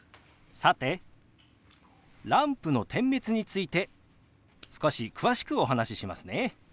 さてランプの点滅について少し詳しくお話ししますね。